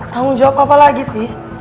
tanggung jawab apa lagi sih